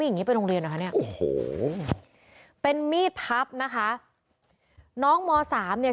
อย่างงี้ไปโรงเรียนเหรอคะเนี่ยโอ้โหเป็นมีดพับนะคะน้องมสามเนี่ย